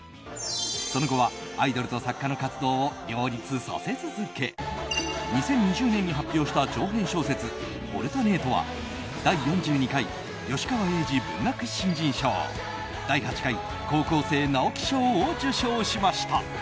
その後はアイドルと作家の活動を両立させ続け２０２２年に発表した長編小説「オルタネート」は第４２回吉川英治文学新人賞第８回高校生直木賞を受賞しました。